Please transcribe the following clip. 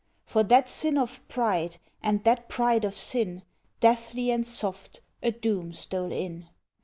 For that sin of pride and that pride of sin, Deathly and soft, a Doom stole in.